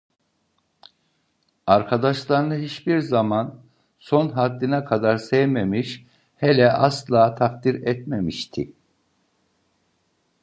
Arkadaşlarını hiçbir zaman son haddine kadar sevmemiş, hele asla takdir etmemişti.